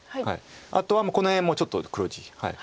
あとはこの辺もちょっと黒地。